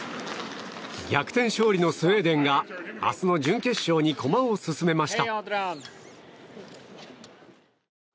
逆転勝利のスウェーデンが明日の準決勝に駒を進めました。